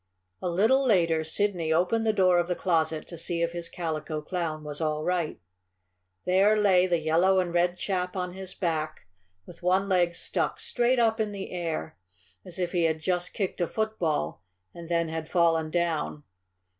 A little later Sidney opened the door of the closet to see if his Calico Clown was all right. There lay the yellow and red chap on his back, with one leg stuck straight up in the air, as if he had just kicked a football and then had fallen down.